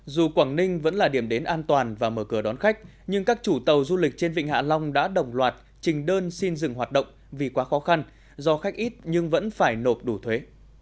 dù quảng ninh vẫn là điểm đến an toàn và mở cửa đón khách nhưng các chủ tàu du lịch trên vịnh hạ long đã đồng loạt trình đơn xin dừng hoạt động vì quá khó khăn do khách ít nhưng vẫn phải nộp đủ thuế